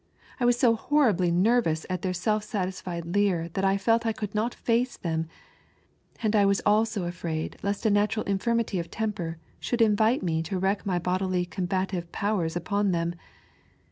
I was so horribly nervous at their aelf satis&ed leer that I felt I could not face them, and I was also afraid lest a natural infirmity of temper should invite me to wreak my bodily combative powers npoD them.